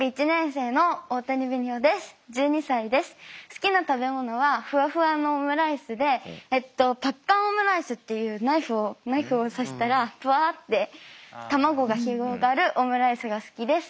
好きな食べ物はふわふわのオムライスでパッカンオムライスっていうナイフをナイフを刺したらふわって卵が広がるオムライスが好きです。